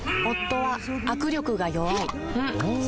夫は握力が弱い